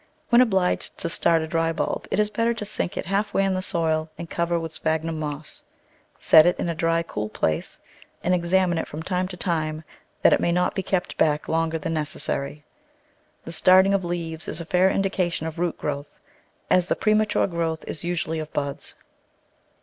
When obliged to start a dry bulb, it is better to sink it half way in the soil and cover with sphagnum moss. Set it in a dry, cool place, and examine it from time Digitized by Google 76 The Flower Garden [Chapter to time that it may not be kept back longer than neces sary. The starting of leaves is a fair indication of root growth, as the premature growth is usually of buds.